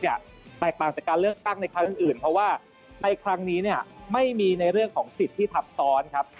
แตกต่างจากการเลือกตั้งในครั้งอื่นเพราะว่าในครั้งนี้ไม่มีในเรื่องของสิทธิ์ที่ทับซ้อนครับ